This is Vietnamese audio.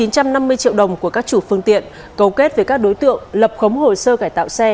triệu đồng của các chủ phương tiện cấu kết với các đối tượng lập khống hồ sơ cải tạo xe